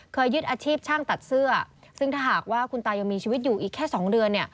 ยึดอาชีพช่างตัดเสื้อซึ่งถ้าหากว่าคุณตายังมีชีวิตอยู่อีกแค่๒เดือน